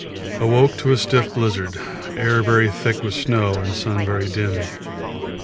Awoke to a stiff blizzard; air very thick with snow and sun very dim.